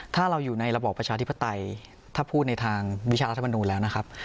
ถ้าเราอยู่ในระบอบประชาธิปไตยถ้าพูดในทางวิชารัฐมนูลแล้วนะครับ